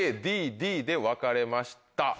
ＡＡＤＤで分かれました。